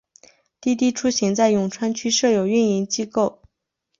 滴滴出行在永川区设有运营机构。